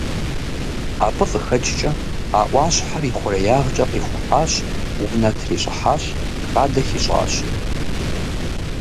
Абы къыхэкӏкӏэ, а ӏуащхьэр и хъуреягъкӏэ къихухьащ, унэ трищӏыхьащ, хадэ хищӏащ.